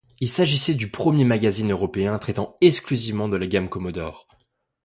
Il s'agissait du premier magazine européen traitant exclusivement de la gamme Commodore.